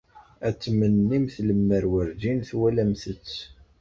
Ad tmennimt lemmer werjin twalamt-t.